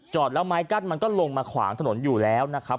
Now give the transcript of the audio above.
แล้วไม้กั้นมันก็ลงมาขวางถนนอยู่แล้วนะครับ